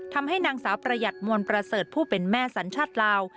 ทำให้นางสาวประหยัดมวลประเสริฐผู้เป็นแม่สัญชาติลาว